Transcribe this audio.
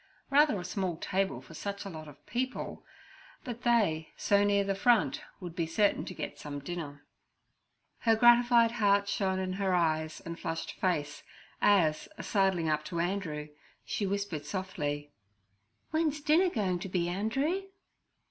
Rather a small table for such a lot of people; but they, so near the front, would be certain to get some dinner. Her gratified heart shone in her eyes and flushed face, as, sidling up to Andrew, she whispered softly, 'Wen's the dinner goin' to be, Andree?'